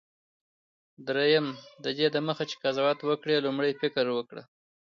دریم: ددې دمخه چي قضاوت وکړې، لومړی فکر پر وکړه.